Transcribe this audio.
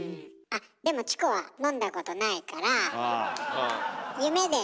あっでもチコは飲んだことないから。